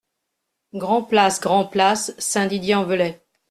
Grand Place Grand Place, Saint-Didier-en-Velay